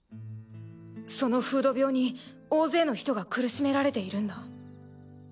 その風土病に大勢の人が苦しめられているんだ。